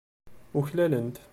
Uklalen-t.